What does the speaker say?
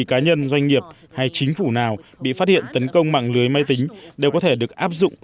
cá nhân doanh nghiệp hay chính phủ nào bị phát hiện tấn công mạng lưới máy tính đều có thể được áp dụng